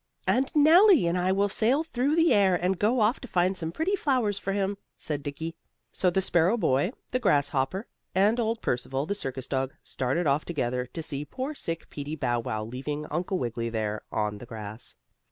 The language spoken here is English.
"And Nellie and I will sail through the air, and go off to find some pretty flowers for him," said Dickie. So the sparrow boy, the grasshopper and old Percival, the circus dog, started off together to see poor sick Peetie Bow Wow, leaving Uncle Wiggily there on the grass.